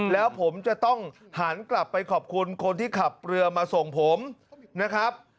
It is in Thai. แล้วผมจะต้องหันกลับไปขอบคุณคนที่ขับเรือมาส่งผมนะครับ